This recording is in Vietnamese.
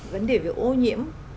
vấn đề về ô nhiễm